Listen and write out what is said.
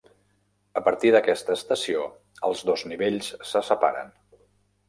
A partir d'aquesta estació els dos nivells se separen.